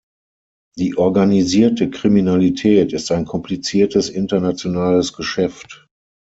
Die organisierte Kriminalität ist ein kompliziertes internationales Geschäft.